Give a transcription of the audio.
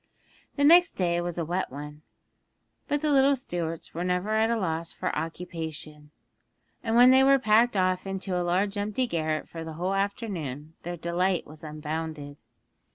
The next day was a wet one, but the little Stuarts were never at a loss for occupation, and when they were packed off into a large empty garret for the whole afternoon their delight was unbounded.